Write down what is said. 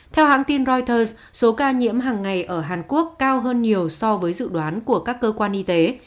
theo hãng tin reuters số ca nhiễm hàng ngày ở hàn quốc cao hơn nhiều so với dự đoán của các cơ quan y tế